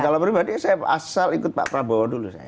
kalau pribadi saya asal ikut pak prabowo dulu saya